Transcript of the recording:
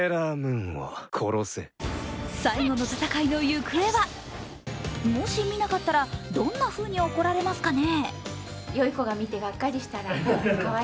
最後の戦いの行方はもし見なかったらどんなふうに怒られますかね？